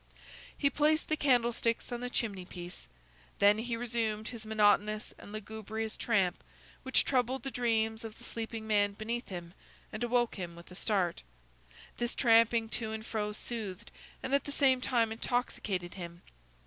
He placed the candlesticks on the chimney piece. Then he resumed his monotonous and lugubrious tramp, which troubled the dreams of the sleeping man beneath him, and awoke him with a start. This tramping to and fro soothed and at the same time intoxicated him.